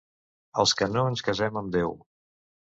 Els que no ens casem amb Déu.